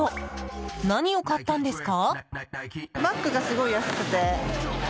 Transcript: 何を買ったんですか？